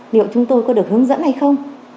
liệu chúng tôi có được hướng dẫn hay không